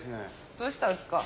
どうしたんですか？